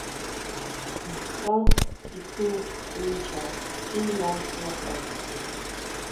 Naská kitsú kinchá xchínga ngasʼa.